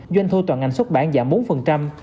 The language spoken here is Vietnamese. doanh thu toàn ngành xuất bản giảm bốn